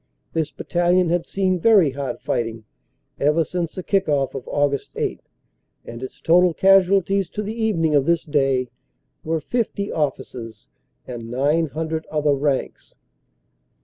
This battalion had seen very hard fighting ever since the kick off of Aug. 8, and its total casualties to the evening of this day were 50 officers and 900 other ranks.